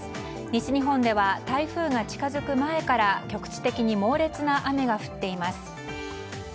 西日本では台風が近づく前から局地的に猛烈な雨が降っています。